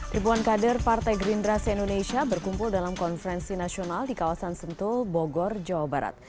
ribuan kader partai gerindra se indonesia berkumpul dalam konferensi nasional di kawasan sentul bogor jawa barat